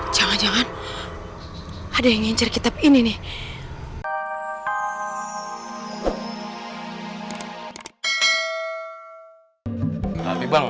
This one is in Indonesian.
jangan jangan ada yang ngincar kitab ini nih